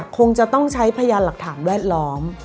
คงจะต้องใช้พยานหลักฐานแวดล้อม